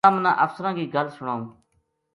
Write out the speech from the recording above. تَم نا افسراں کی گل سناوں